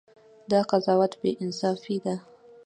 دا قضاوت بې انصافي ده.